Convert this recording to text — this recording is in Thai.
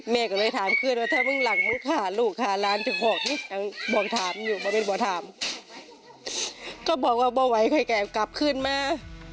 แม่กับกับตายทามขึ้นว่า